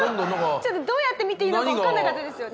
ちょっとどうやって見ていいのかわからなかったですよね。